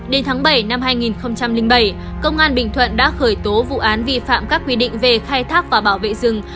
đến tháng bảy năm hai nghìn bảy công an bình thuận đã khởi tố vụ án vi phạm các quy định về khai thác và bảo vệ rừng